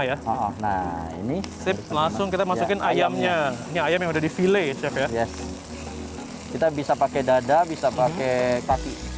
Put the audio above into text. nah ini sip langsung kita masukin ayamnya ini ayam yang udah di village chef ya kita bisa pakai dada bisa pakai kaki